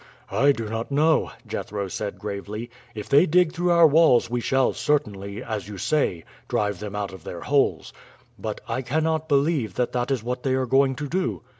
"I do not know," Jethro said gravely. "If they dig through our walls we shall certainly, as you say, drive them out of their holes; but I cannot believe that that is what they are going to do."